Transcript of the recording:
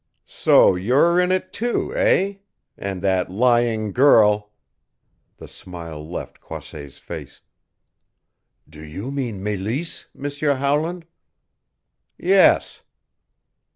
"So you're in it, too, eh? and that lying girl " The smile left Croisset's face. "Do you mean Meleese, M'seur Howland?" "Yes."